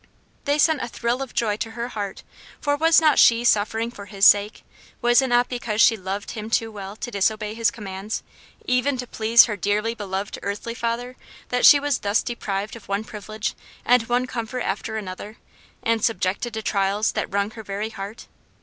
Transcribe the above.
They sent a thrill of joy to her heart; for was not she suffering for his sake? was it not because she loved him too well to disobey his commands, even to please her dearly beloved earthly father, that she was thus deprived of one privilege, and one comfort after another, and subjected to trials that wrung her very heart?